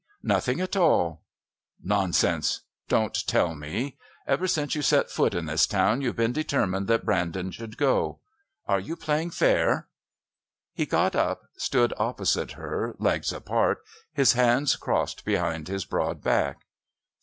Nothing at all." "Nonsense. Don't tell me. Ever since you set foot in this town you've been determined that Brandon should go. Are you playing fair?" He got up, stood opposite her, legs apart, his hands crossed behind his broad back.